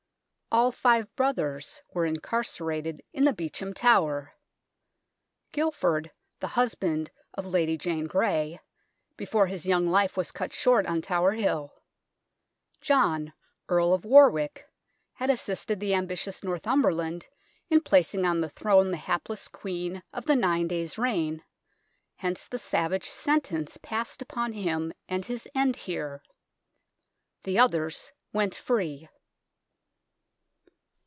All five brothers were incarcerated in the Beauchamp Tower. Guilford, the husband of Lady Jane Grey, before his young life was cut short on Tower Hill. John, Earl of Warwick, had assisted the ambitious Northumberland in placing on the throne the hapkss Queen of the nine days' reign, hence the savage sentence passed upon him and his end here. The others went free.